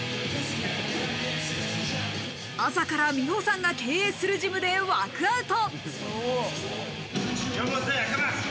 朝から美保さんが経営するジムでワークアウト。